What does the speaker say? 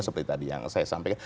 seperti tadi yang saya sampaikan